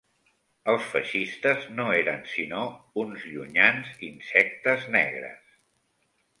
Els feixistes no eren sinó uns llunyans insectes negres